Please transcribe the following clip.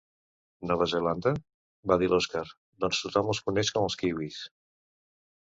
Nova Zelanda? —va dir l'Oskar— Doncs tothom els coneix com els kiwis!